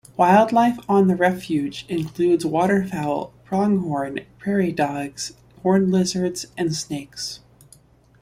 Wildlife on the refuge includes waterfowl, pronghorn, prairie dogs, horned lizards, and snakes.